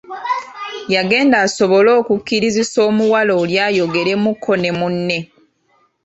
Yagenda asobole okukkirizisa omuwala oli ayogeremuuko ne munne.